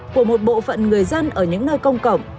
của một bộ phận người dân ở những nơi công cộng